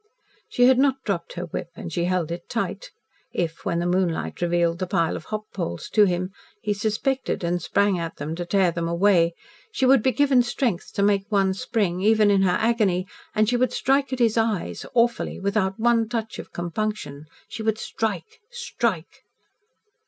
She had not dropped her whip, and she held it tight. If, when the moonlight revealed the pile of hop poles to him, he suspected and sprang at them to tear them away, she would be given strength to make one spring, even in her agony, and she would strike at his eyes awfully, without one touch of compunction she would strike strike.